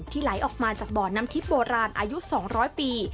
ไหลออกมาจากบ่อน้ำทิพย์โบราณอายุ๒๐๐ปี